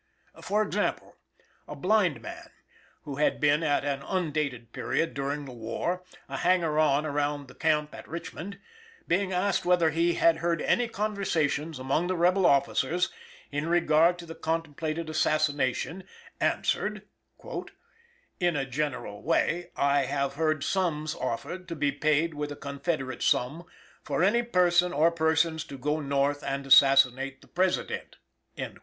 For example: a blind man, who had been, at an undated period during the war, a hanger on around the camp at Richmond, being asked whether he had heard any conversations among the rebel officers in regard to the contemplated assassination, answered: "In a general way, I have heard sums offered, to be paid with a Confederate sum, for any person or persons to go North and assassinate the President."